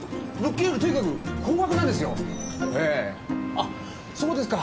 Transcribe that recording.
あっそうですか。